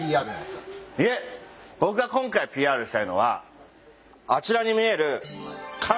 僕が今回ＰＲしたいのはあちらに見える。